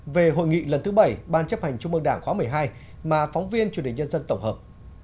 về hội nghị lần thứ bảy ban chấp hành chung mơ đảng khóa một mươi hai mà phóng viên truyền hình dân dân tổng hợp